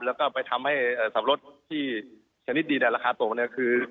แล้วก็ไปทำให้สับปะรดที่ชนิดดีแต่ราคาตกเนี่ยคือ